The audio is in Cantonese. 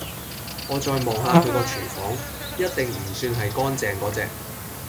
我再望下佢個"廚房"一定唔算係乾淨果隻